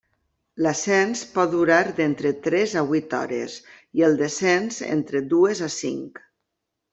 L'ascens pot durar d'entre tres a vuit hores i el descens entre dues a cinc.